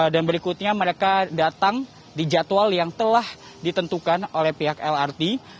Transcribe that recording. berikutnya mereka datang di jadwal yang telah ditentukan oleh pihak lrt